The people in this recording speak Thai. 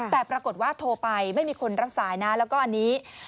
แต่ปรากฏว่าโทรไปไม่มีคนรักษานะแล้วก็อันนี้